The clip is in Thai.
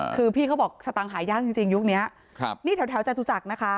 คือพี่เขาบอกสตางค์หายากจริงยุคนี้นี่แถวจตุจักรนะคะ